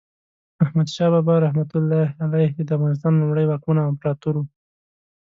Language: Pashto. احمد شاه بابا رحمة الله علیه د افغانستان لومړی واکمن او امپراتور و.